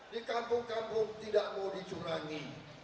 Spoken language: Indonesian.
di kampung kampung tidak mau dicurangi